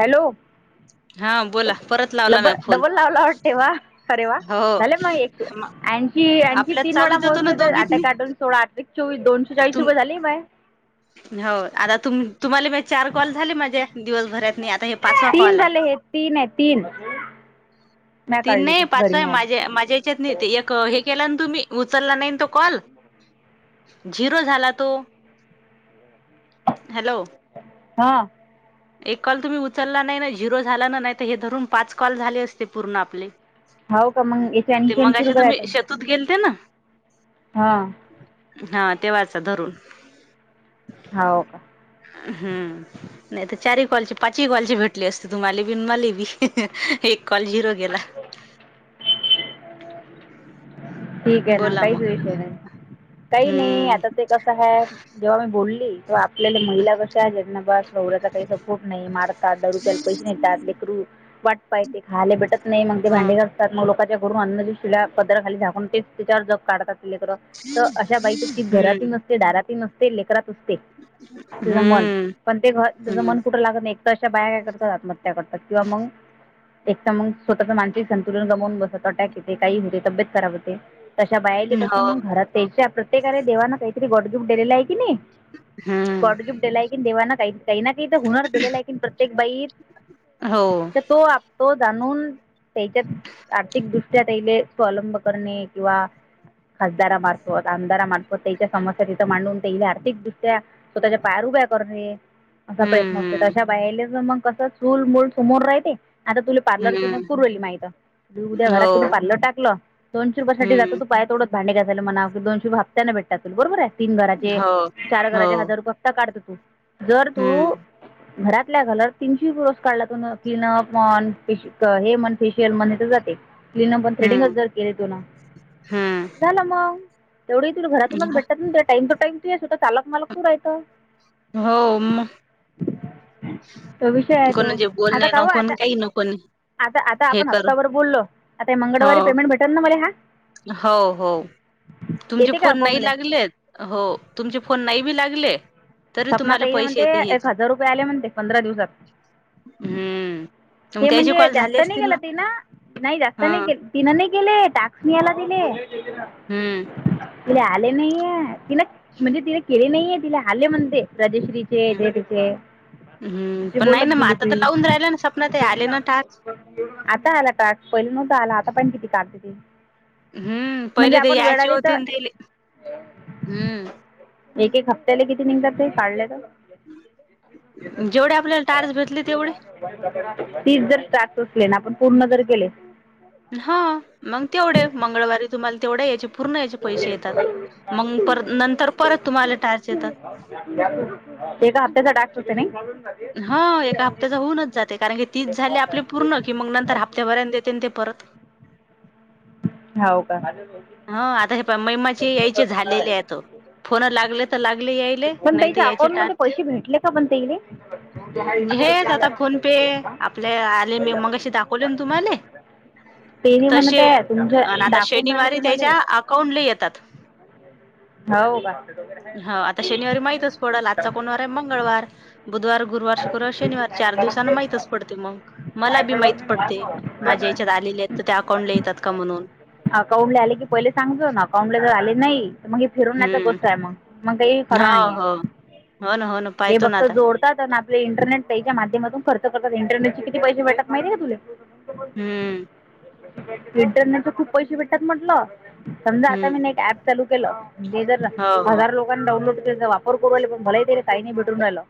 Hello [unintelligible] बोला परत लावला म्या बल फोन डबल लावला वाटते वा खरे वा हो झाले मग एक म- आणशी आपल्यात तीन वेळा चालूच होतो ना मोजले तर आट दोघीतनी काटून सोळा आठ चोवीस दोनशे चाळीस तुम उभे झाली बाय हो आता तुम तुम्हाला चार कॉल झाले माझे दिवसभरात नाही आता हे पाचवा तीन कॉल आहे झाले हे तीन आहे तीन ती काढली ते नाही पाच घरी आहे नाही आली माझ्या माझ्या या्याच्यात नाही एक हे केला ना तुम्ही उचलला नाही तो कॉल झिरो झाला तो हॅलो हा एक कॉल तुम्ही उचलला नाही ना झिरो झाला, ना नाही तर हे धरून पाच कॉल झाले असते. पूर्ण आपले,, हो का मग याचे ऐंशी ऐंशी मगाशी रुपये तुम्ही आहेत शेतात गेलते ना.. हां हा तेव्हा चा धरून... हाव का... हा हा नाही तर चारही कॉलचे पाचही कॉलचे भेटलें, असते तुम्हाला बि मला बी एक कॉल झिरो गेला. [unintelligible] ठीक आहे ना बोला काहीच मग विषय नाही. काही नाही हम्म आता ते... कस ह जेव्हा मी बोलली तेव्हा आपल्याला महिला कश आहे जगनाबास गवऱ्याचा काही सपोर्ट नाही मारत दहा रुपयाला पैसे नाहीेत त्याात लेकरू वाट पाय तेे खायला भेटत नाही मग ते ह भांडे करत ोांच्या गरून अनल शिला पदराली झाकूनच त्याच्यावर जग काढतात लेकर तर अशा बाईची चित घराती हम्म नसते दारात नसते लेकरात तेचते मन हम्म पण तेच मन हम्म कुठ लागत नाही एक अशा बाया काय करतात आत्महत्या करतात किंवा मग एक तर मग स्वतःच मानसिक संतुलन गमावून बसत अटॅक येते काही होते तब्येत खराब होते तशा बायाले तसून हो मग घरात त्याच्या प्रत्येकाने देवान काहीतरी गोडजूक दिलेला आहे. की नाही.. हम हा.. गॉड गिफ्ट दिले ना देवा ना की काही ना काही तर हुनर दिलेला आहे. की प्रत्येक बाई हो तर तो... तो जाणून त्याच्यात आर्थिकदृष्ट्या तले स्वलंब करणे किंवा.. खासदारामार्फत आमदारामार्फत त्याच्या समस्या तिथं मांडून त्याल्या आर्थिकदृष्ट्या... स्वतःच्या पायावर उभा करणे... असा प्रयत्न असत. हम्म हम्म अशा बायले मग कस चूल मूल समोर राहते आता तु... पार्लर तून हम्म पुरवेली माहित उद्या घरा घरातून हो पार्लर टाकलं... दिवसभर जात हम्म तू पाय तोडत भांडे घासायला दोनशे हप्त्यांनी भेटातात बरोबर आहे. तीन घराचे हो चार हो घराचे हजार रुपये... काढ जा तू जर हम्म घरातल्या घरात... तीनशे रोज काढला तर क्लीनअप हे मन फेशियल म्हणट जाते. क्लीन अप पण थ्रेडिंग जर केले तु न... हा... झाला मग तेवढे, तुला घरातूनच भेटत ना टाइम टू टाइम तू चाक मालक तू रायतं... हो मग... तो विषय आहे तो कोणाचे आता बोलणे पाहु नको न आता... काही नको न आता आता हे आपण कर हप्ता भर बोललो आता हो मंगळवारी पेमेंट भेटेल ना मला हा... हो हो तुमचे येते का फोन नाही अकाउंटले लागलेत.. हो तुमचे फोन नाही बी लागले.. तरी स्वप्ना तुम्हाला ताई पैसे म्हणते येते एक हेजे हजार रुपये आले म्हणते पंधरा दिवसात. हा म्म.. हे म्हणजे जास्त नाही केेलं त्यानं.. नाही जास्त हा नाही के तनं नाही केेले टॅक्स नि याला दिले.. हा.. तिला आले नाहीये् तिने म्हणजे तिला केले नाही ये तिला आले म्हणते रजश्री.. हम् हम्म अशी पण नाही ना बोलत मग गेली आता तर ती लावून राहिलं ना सपना ताई ते आले ना आज.. आता आला टास्क का पहिले नव्हतं आला आता पण किती काढते ती.. हम्म म्हणजे पहिले ते आपण यायची वेळाने होते तर ते दिले हम्म.. एक एक हप्त्याला किती निघते काढल्या तर.. जेवढे आपल्याला टायर्स भेटले तेवढे... तीस जर स्टार्ट असले ना आपण पूर्ण जर केले... हा मग तेवढे मंगळवारी तुम्हाला तेवढ्या यायचे... पूर्ण याचे पैसे येतात मग पर नंतर परत तुम्हाला टारच येतात एका हपत्याचा डॅक्स होते ना हा एका हप्त्याचा होऊनच जाते कारण की तीच झाली आपली पूर्ण की मग नंतर हप्त्यापर्यंतेत ते परत होव का हो आता हे प महि्माचे यायचे झालेले आहे त फोन लागले तर लागले यायले पण नाही तर त्याच्या यायचे टार अकाउंटमध्ये पैसे [unintelligible] हेच आता फोन पे आपले आले मी मगाशी दाखवले ना तुम्हाले. तेही म्हणत तसे आहे तुमच्या आता दाखवून राहिले शनिवारी तुम्हाला त्याच्या अकाउंटले येतात. हो हा आता शनिवारी माहितच पडल आजचा कोणवार आहे मंगळवार बुधवार गुरवा गुरुवार शुकुवार शनिवार चार दिवसान माहितच पडते मग. मला बी माहिती पडते माझ्या याच्यात आलेल्या आहेत तर त्या अकाउंटला येतात का म्हणून अकाउंटले आले की पहिले सांगतो ना अकाउंट ला जर आले नाही मग फिरवण्याचा हम्म गोष्ट आहे मग मग काही खरं हो नाही आहे हो हो ना हो ना हे पाहतो ना बघत आता जोड आपले इंटरनेट पच्या माध्यमातून खर्च करतात इंटरनेटचे किती पैसे भेटत माहिती का तुला हम्म इंटन न तर खूप पैसे भेटतात म्हटलं समजा आता मी हम्म एक ऍप चालू ते जर हो हो हजार लोकां डानलोड के वापर करू आले पण मलही त्याले ताई नही भेटून रायल.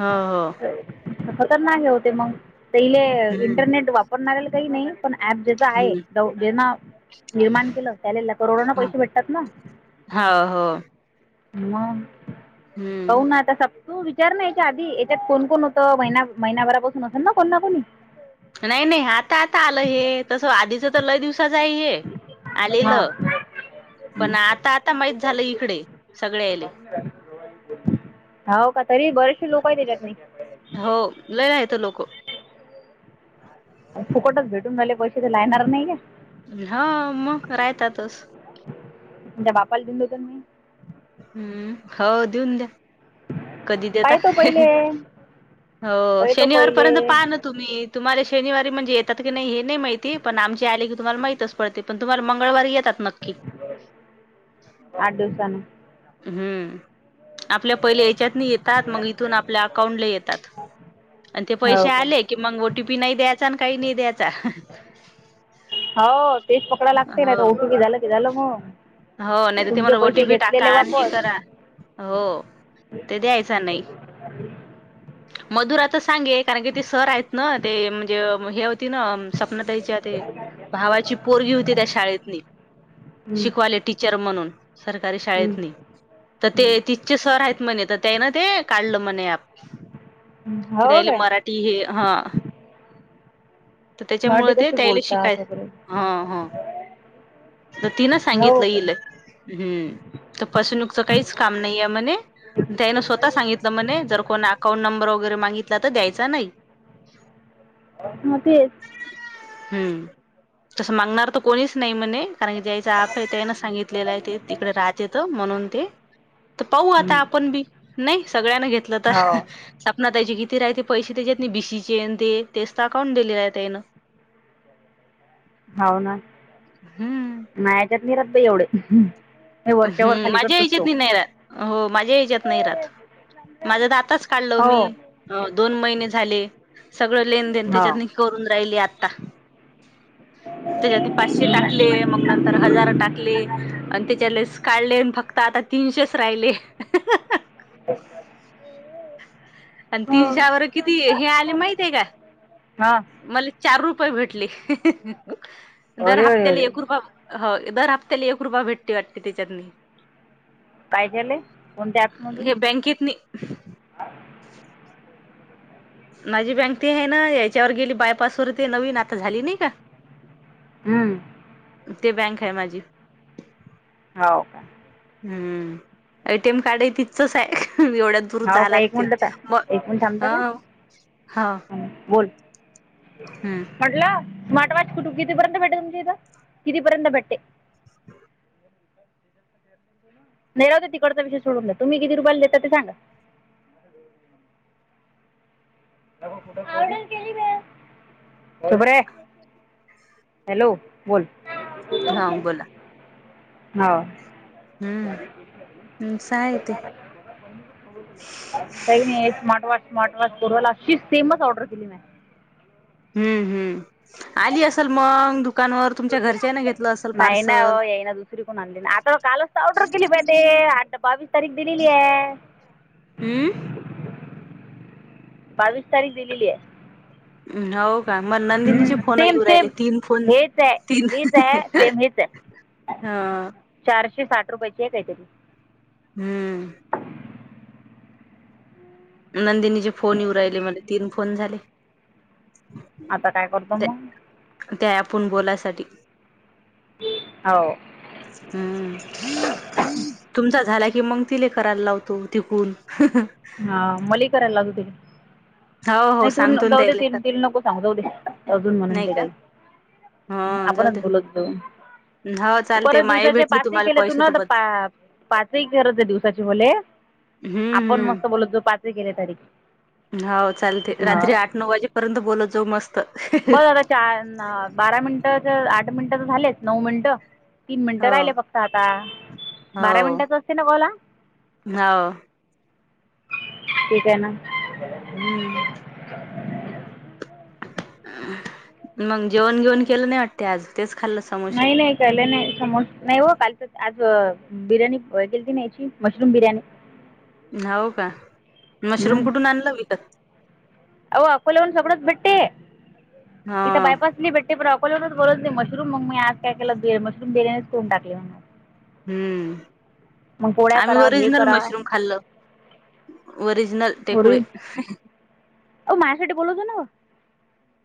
हो हो हो. खतरनाक हे होते मग तले हम्म इंटरनेट वापरणारल काही नाही पण ऍप ज्याचा आहे हम्म जेना निर्माण केलं त्याले करोडन हम्म. पैसे भेटतात ना. हो हो. म हम्म पाहुना आता स तू विचार ना याच्या आधी याच्यात कोण कोण होतं महिना महिनाभरापासून असेल ना कोण ना कोणी. नाही नाही आता आता आलं हे तसं आधीच तर लय दिवस च आहे हे हां आलेलं. पण आता आता माहीित झालं इकडे सगळे याले. हो का तरी बरेचशे लोक आहेत त्याच्यात नई. हो लय येत लोकं. [unintelligible] फुकटच भेटून झाले पैसे ते लायणार नाही का. हा मग राहतातच. तुमच्या बापाला दिल होत मी. हम्म हो देऊन द्या. कधी देता पाहतो पहिले हो पाहतो शनिवार पहिले पर्यंत पाहन तुम्ही तुम्हाला शनिवारी म्हणजे येतात की नाही हे नाही माहिती पण आमचे आले की तुम्हाला माहित अस पडते पण तुम्हाला मंगळवारी येतात नक्की. आठ दिवसान. हम्म. आपल्या पहिले याच्यात येतात मग इथून आपल्या अकाउंटला येतात आणि ते पैसे हो का आले कि मग ओ टी पी नाही द्यायचा आणि काही नाही द्यायचा. हो तेच पकडा लागते ना हो ओ टी पी झालं की झालं मग. हो नाही तर ते तुमचे मला ओ टी पैसे पी टाका घेतलेले आणि हे वापस करा हो ते द्यायच नाही. मधुरा तर सांगे कारण की ते सर आहेत ना ते म्हणजे हे होती ना स्वप्न ताईच्या ते भावाची पोरगी होती त्या शाळेत हं, शिकवाले टीचर म्हणून सरकारी हं, शाळेतली. तर ते हं, तिथचे सर आहेत म्हणे तर त्या ना ते काढलं म्हणे आप हो का. ती हे हा. तर मराठी त्याच्यामुळे ते कशी त्याला शिकाय बोलतात वगैरे हा हा. तर तिनं हो सांगितलं काय हीले हम्म. तर फसवणूकचं काहीच काम नाही आहे म्हणे दनं स्वतः सांगित त म्हणे जर कोणा अकाउंट नंबर वगैरे मागितला तर द्यायचा नाही. म तेच. हम्म तस मागणार तर कोणीच नाही म्हणे कारण की दयायचा त्यान सांगितलेलं आहे ते तिकडे राज येतो म्हणून ते तर पाहू हं. आता आपण बी नाही सगळ्यांने घेतलं तर. हो सपना ताईचे किती राहते पैसे त्याच्यात नाही बीसीचे तेच तर अकाउंट दिले आहे त्यांन होव ना हम्म. नाही याच्यात नि रद् एवढे हे वरच्यावर हम् खाली माझ्या करतोस हेज्यात तो बी नाही राहत. हो माझ्या हेज्यात नाही राहत. माझा आताच काढल हो मी दोन महिने झाले. सगळं लेन देन हो त्याच्यातन करून राहिली आता. त्याच्यात पाचशे टाकले मग नंतर हजार टाकले आणि त्याच्या लेस काढले आणि फक्त आता तीनशेच राहिले. [unintelligible] [unintelligible] आणि तीनशावर किती हे आले माहिती आहे का हा मला चार रुपये भेटले दर अरे अरे हप्त्याला अरे एक रुपय हो दर हप्त्याला एक रुपय भेटी वाटते त्याच्यातनी. काय झाले कोणत्या ॲपमधून हे बँकेत नि माझी बँक ते आहे ना, याच्यावर गेली बायपासवर ते नवीन आता झाली नाही का. हम्म. ते बँक आहे माझी. हो का. हम्म. एटीएम कार्डही तिथचच आहे. एवढ्या दूर हो जाय का एक लागते. मिनटं ता मग एक मिनिट थांबता ह का ह. हं, बोल. हम्म. म्हटलं स्मार्ट वॉच कुठ कितीपर्यंत भेटते तुमच्या इथ? कितीपर्यंत भेटते? [unintelligible] नाही राहुदे तिकडचा विषय सोडून द्या. तुम्ही किती रुपयाला देता ते सांगा. [inaudible] हॅलो बोल. हा बोला. हम्म स आहे ते हो. काही नाही स्मार्ट वॉच स्मार्ट वॉच परवाला अशी सेमच ऑर्डर केली म हम्म हम्म आली असल मग दु तुमच्या घरच्या ना घेतलं नाहीय ना येई ना दु दुसरी कोण आणली आता कालच तर ऑर्डर केली पाहि ते आता बावीस तारीख दिलेली आहे. हम्म. बावीस तारीख दिलेली आहे. हम् हो. का म नंदिनीचे फोन सेम येऊ राहिले सेम तीन फोन हेच आहे तीन हेच आहे सेम हेच आहे हा. चारशे साठ रुपयाची आहे काहीतरी. हम्म. नंदिनीचे फोन येऊ राहिले मला तीन फोन झाले. आता काय करतो त्या मग? त्या आपण बोलायसाठी. हो. हम्म. तुमचा झाला कि मग तिले करायला लावतो तिकडून. हा मले करायला लागू दे. हो हो नाही तू सांगतो ना जाऊ दे त्याले ति नको सांग जाऊ दे अजून म्हणून नाही ते का काही आपणच बोलत जाऊ. होच. परत दिवसाचे पाचही केले तू ना पा पाचही करत आहे दिवसाचे बोले हम्म. पण मस्त बोलत जो पाच्र केेले तारीख. हाव चालतय, रात्री आठ नऊ वाजेपर्यंत बोलत जाऊ मस्त बरं झालं चार आ बारा मिनिटाच आठ मिनिटं तर झालेत, नऊ मिनिटं तीन मिनिटं हो राहिले फक्त आता हो बारा मिनिटाच असते ना कॉल हा. हो ठीक आहे ना. हम्म. [inaudible] मग जेवण घीवन केलं नाही, वाटत आज तेच खाल्लं समोसे तळलेल नाही समो नाही ओ, कालच आज बिर्याणी केलती ना याची मशरूम बिर्याणी ना हू का? मशरूम कुठून आणल वी? आओ अकोल्यावून सगळंच भेटते, हा इथं बायपास नाही भेटते. ब्राकोली वरच बोलायच नाही. मशरूम मग मी आ काय के ब मशरूम बिर्याणीच करून टाकली मग हम्म मग पोळ्या आम्ही करावं हे ओरिजनल करावं मशरूम खाल्ल. ओरिजनल टेक वे ओ माह्यासाठी बोलतो न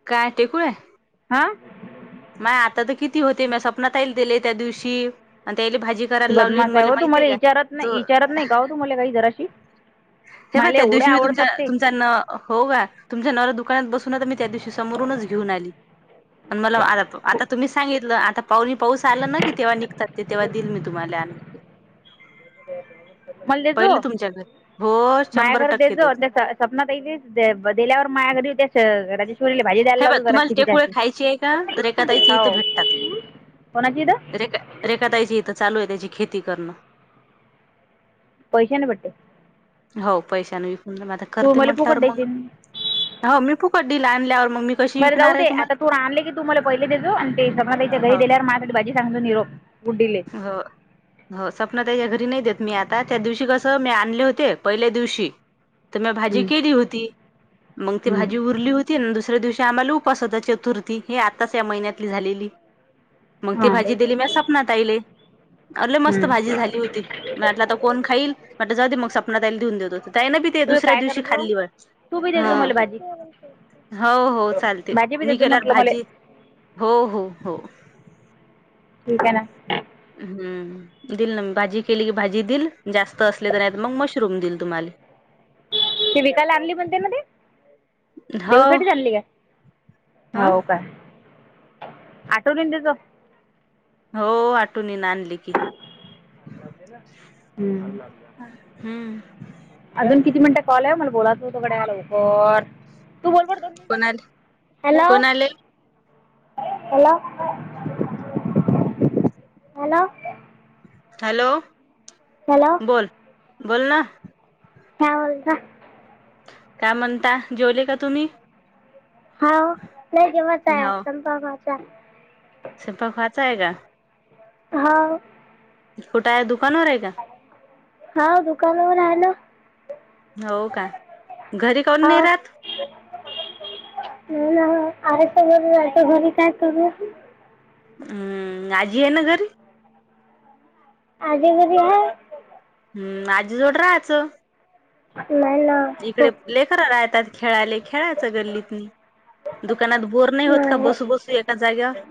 काय टेक वे हाय? हां. माह्या आता तर किती होते, म सपनाताईल त्याले त्या दिवशी आणि त्याले भाजी करायला लावली बदमास आहे, मला ओ माहितीय तुम्हाले का इचारत नाही तो इचारत नाही का ओ, तुम्हाला काही जराशी हे ब मला त्या एवढे दिवशी मी तुम आवडतात ते तुमचा नाव हो का? तुमच्या नवरा दुकानात बसून मी त्या दिवशी ते समोरूंनच घेवून आली, मला आता तुम्हींच सांगीतल आता जीवन माऊली पाऊस आला ना, की तेव्हा निघतात तेव्हा दिईल मी तुम्हाला आले की मले देजो पहिले तुमच्या घरी हो शंभर माया्कड देत टक्के जो देतो. देता घर देजो. सपना ताईले दे दिल्यावर मायाकड डुटी असते. पोरीले भाजी द्यायला हे बघ लाव तुम्हाला जराशी, टेकुळे खायची आहे का रेखाताईची हाव कोणाच्या इथ? रेख रेखा ताईच्या इथ चालू आहे त्याची खेती करणं. पैशांन भेटते. होव पैशान विकून म आता तू करते, मला फुकट म्हटल्यावर मग देशील होव मी फूकट दील आणल्यावर मी कशी बर जाऊ विकणार आहे दे आता तुम्हाला तू आणले, की तू मला हो सांगलो निरोप गुड्डीले हो. हो सपना ताईच्या घरी नाही देत मी आता, त्या दिवशी कसं मी आणले होते, पहिल्या दिवशी तर म्या भाजी आहे केली होती, मंग ती भाजी उरली होती. तीनं दुसऱ्या दिवशी आम्हाला उपास होता, चतुर्थी ही आताच या महिन्यात झालेली मग ती हां भाजी दिली म्या सपनाताईले अरे लई मस्त भाजी झाली होती, म्हटलं आता कोण खाईल म्हटल आता जाऊ दे, मग सपनाताई ला नीऊन देतो ती ताई न बी ते तू दुसऱ्या काय दिवशी करजो खाल्ली वाटतं तू बी द्यायचं मला भाजी हाव हो चालते, भाजी बी मी देजो केल्यावर म्हटलं मला भाजी हो हो हो. ठीक आहे ना. हम्म. दिल ना मी भाजी केली की, भाजी दिल जास्त असले तर नाहीतर, मग मशरूम दिल तुम्हाले ती विकायला आणली म्हणते ना ते हो देऊसाठि चालली का हं हाव का? ऑटो लेंदीच हो आठूनीन आणली की, हम्म. हम्म अजून किती मिनिटं कॉल आहे मला बोलाच होत गड्या लवकर, तु बोल बर दोन कोणाले हॅलो. कोणाले हॅलो, हॅलो. हॅलो. हॅलो. बोल, बोल ना. काय म्हणता? काय म्हणता जेवले का तुम्ही? हाव नाही ते मोठा हाय, सनफ्लॉवर मोठा हाय सुपर फाच हाय का? हांव. कुठाय दुकानवर आहे का? हा दुकानावर आहे ना. हो का, घरी काऊन नाही राहात? [unintelligible] आहे तो वर जायच घरी काय करु? हम्म आजी आहे ना घरी. आजी घरी हाय. हम् आजीजोड राहायचं. नाय ना. इकडे हो प्लेकरायला येतात. खेळाले खेळायच गल्लीतनी, दुकानात बोर नाही होत का बसू बसू एका जाग्यावर.